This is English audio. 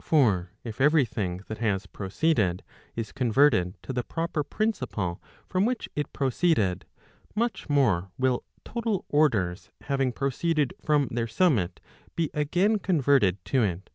For if every thing that has proceeded, is converted to the proper principle from which it proceeded, much more will total orders having proceeded from their summit be again converted to it.